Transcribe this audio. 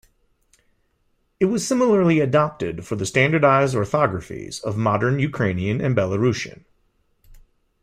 It was similarly adopted for the standardised orthographies of modern Ukrainian and Belarusian.